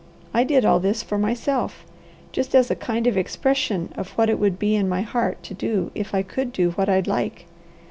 I did all this for myself just as a kind of expression of what it would be in my heart to do if I could do what I'd like.